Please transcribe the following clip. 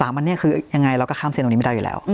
อันนี้คือยังไงเราก็ข้ามเส้นตรงนี้ไม่ได้อยู่แล้ว